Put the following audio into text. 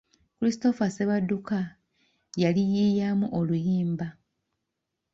Christopher Ssebadduka yaliyiiyamu oluyimba.